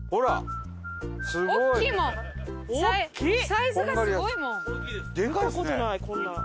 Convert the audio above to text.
サイズがすごいもん！